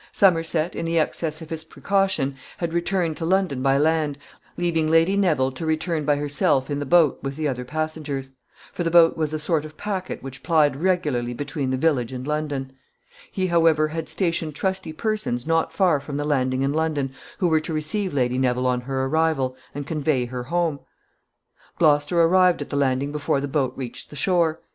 Somerset, in the excess of his precaution, had returned to London by land, leaving Lady Neville to return by herself in the boat with the other passengers; for the boat was a sort of packet which plied regularly between the village and London. He, however, had stationed trusty persons not far from the landing in London, who were to receive Lady Neville on her arrival and convey her home. [Sidenote: The boat arrives.] Gloucester arrived at the landing before the boat reached the shore.